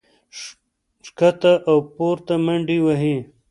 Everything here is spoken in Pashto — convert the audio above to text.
ښکته او پورته منډې وهي